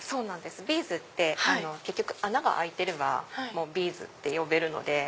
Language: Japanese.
ビーズって結局穴が開いてればビーズって呼べるので。